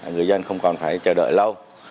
người dân không còn phải chờ đợi lâu